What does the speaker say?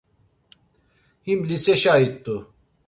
Him liseşa it̆u.